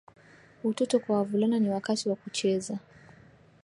utoto kwa wavulana ni wakati wa kucheza